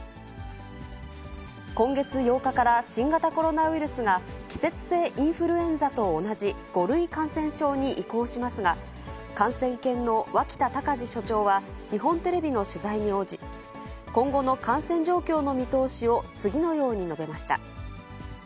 今月８日から新型コロナウイルスが、季節性インフルエンザと同じ５類感染症に移行しますが、感染研の脇田隆字所長は日本テレビの取材に応じ、今後の感染状況の見通しを次のように述べました。